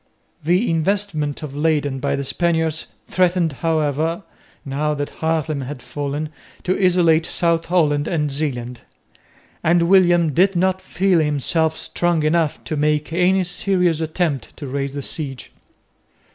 The investment of Leyden by the Spaniards threatened however, now that Haarlem had fallen, to isolate South Holland and Zeeland; and William did not feel himself strong enough to make any serious attempt to raise the siege.